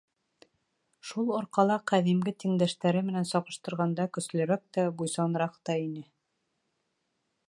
Шул арҡала ҡәҙимге тиңдәштәре менән сағыштырғанда көслөрәк тә, буйсаныраҡ та ине.